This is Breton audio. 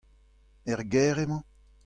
Er gêr emañ ?